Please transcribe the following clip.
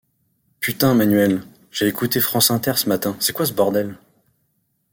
Putain, Manuel, j’ai écouté France Inter ce matin, c’est quoi ce bordel ?